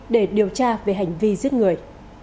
để điều tra về hành vi giết người